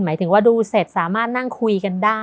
หมายถึงว่าดูเสร็จสามารถนั่งคุยกันได้